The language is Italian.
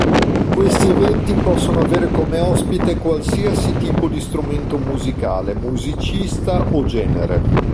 Questi eventi possono avere come ospite qualsiasi tipo di strumento musicale, musicista o genere.